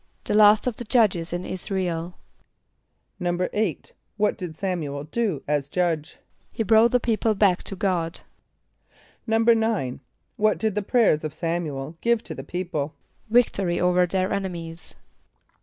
=The last of the judges in [)I][s+]´ra el.= =8.= What did S[)a]m´u el do as Judge? =He brought the people back to God.= =9.= What did the prayers of S[)a]m´u el give to the people? =Victory over their enemies.